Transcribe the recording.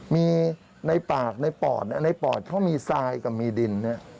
มีในปากในปอดในปอดเขามีทรายกับมีดิน